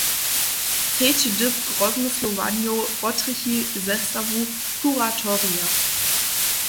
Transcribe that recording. Třeći dypk rozmyslowanjow potrjechi zestawu kuratorija.